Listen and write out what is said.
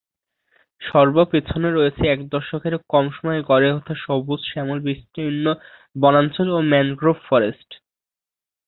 সর্ব পেছনে রয়েছে এক দশকেরও কম সময়ে গড়ে ওঠা সবুজ, শ্যামল বিস্তীর্ণ বনাঞ্চল ও ম্যানগ্রোভ ফরেস্ট।